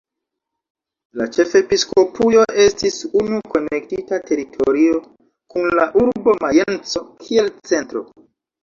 La "ĉefepiskopujo" estis unu konektita teritorio kun la urbo Majenco kiel centro.